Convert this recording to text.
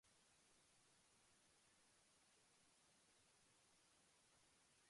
A sixth factor which influences intercultural communication is the social identity factor.